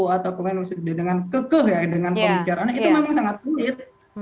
atau kemudian dengan kekeh ya dengan pembicaraannya itu memang sangat sulit